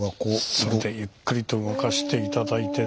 それでゆっくりと動かして頂いてですね